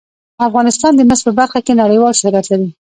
افغانستان د مس په برخه کې نړیوال شهرت لري.